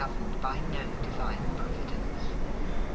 hvna/ erned by no divine providence* |.